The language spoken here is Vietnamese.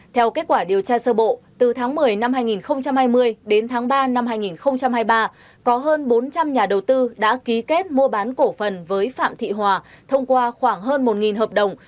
theo kết quả điều tra sơ bộ từ tháng một mươi năm hai nghìn hai mươi đến tháng ba năm hai nghìn hai mươi ba có hơn bốn trăm linh nhà đầu tư đã ký kết mua bán cổ phần với phạm thị hòa thông qua khoảng hơn một hợp đồng